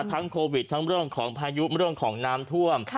โควิดทั้งเรื่องของพายุเรื่องของน้ำท่วม